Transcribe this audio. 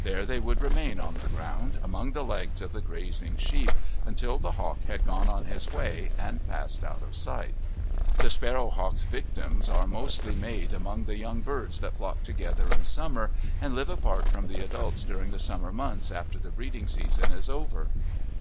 There they would remain on the ground, among the legs of the grazing sheep, until the hawk had gone on his way and passed out of sight. The sparrowhawk's victims are mostly made among the young birds that flock together in summer and live apart from the adults during the summer months after the breeding season is over.